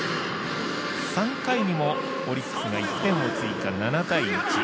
３回にもオリックスが１点を追加、７対１。